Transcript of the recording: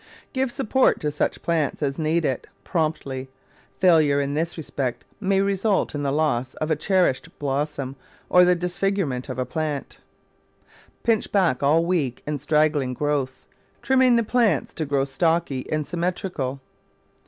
Give support to such plants as need it, promptly; failure in this respect may result in the loss of a cher ished blossom, or the disfigurement of a plant. Pinch back all weak and straggling growths, trim ming the plants to grow stocky and symmetrical.